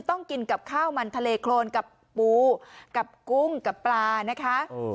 กินกับข้าวมันทะเลโครนกับปูกับกุ้งกับปลานะคะ